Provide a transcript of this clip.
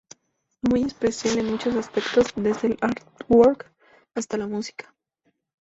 Muy especial en muchos aspectos, desde el artwork hasta la música.